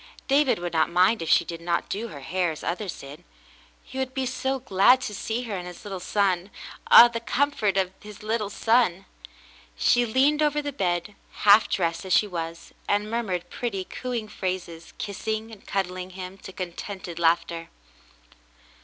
David would not mind if she did not do her hair as others did, he would be so glad to see her and his little son. Ah, the comfort of that little son ! She leaned over the bed, half dressed as she was, and murmured pretty coo ing phrases, kissing and cuddling him to contented laughter.